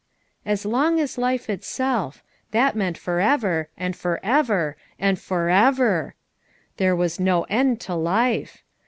'* "As long as life itself,'' that meant forever, and forever and FOREVER I there was no end to life.